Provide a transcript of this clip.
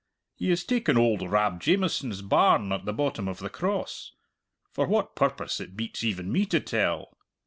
He has taken oald Rab Jamieson's barn at the bottom of the Cross for what purpose it beats even me to tell!